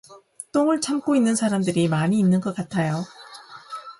똥을 참고 있는 사람들이 많이 있는 것 같아요.